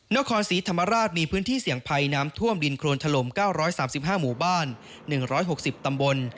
นครศรีธรรมราชมีพื้นที่เสี่ยงภัยน้ำท่วมดินโครนถล่ม๙๓๕หมู่บ้าน๑๖๐ตำบล